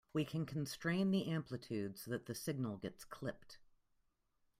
We can constrain the amplitude so that the signal gets clipped.